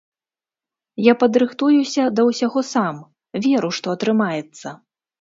Я падрыхтуюся да ўсяго сам, веру, што атрымаецца.